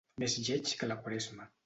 Més lleig que la Quaresma.